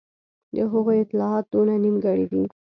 د هغوی اطلاعات دونه نیمګړي دي.